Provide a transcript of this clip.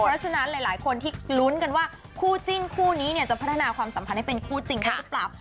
เพราะฉะนั้นหลายคนที่ลุ้นกันว่าคู่จิ้นคู่นี้เนี่ยจะพัฒนาความสัมพันธ์ให้เป็นคู่จริงได้หรือเปล่า